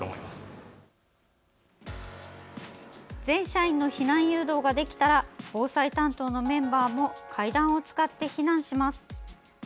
全社員の避難誘導ができたら防災担当のメンバーも階段を使って避難します。